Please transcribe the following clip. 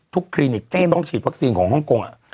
คลินิกที่ต้องฉีดวัคซีนของฮ่องกง